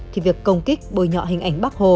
thì việc công kích bồi nhọ hình ảnh bác hồ